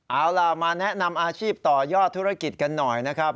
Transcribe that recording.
เอาล่ะมาแนะนำอาชีพต่อยอดธุรกิจกันหน่อยนะครับ